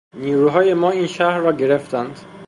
نیروهای ما این شهر را گرفتند.